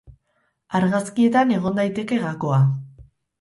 Argazkietan egon daiteke gakoa.